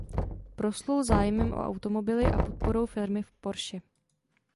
Proslul zájmem o automobily a podporou firmy Porsche.